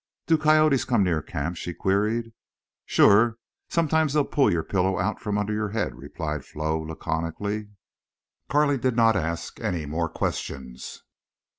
"Do coyotes come near camp?" she queried. "Shore. Sometimes they pull your pillow out from under your head," replied Flo, laconically. Carley did not ask any more questions.